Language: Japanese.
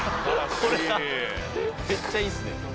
これがめっちゃいいっすね。